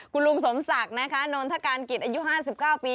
คุณลุงสมศักดิ์นะคะนนทการกิจอายุ๕๙ปี